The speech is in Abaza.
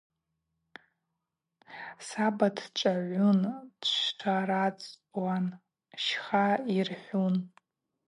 Саба дчвагъвун, дшварацуан, щха йырхӏун.